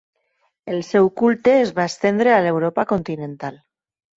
El seu culte es va estendre a l'Europa continental.